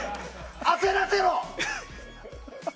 焦らせろ！